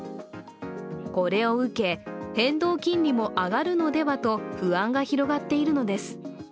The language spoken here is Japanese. これを受け、変動金利も上がるのではと不安が広がっているのです。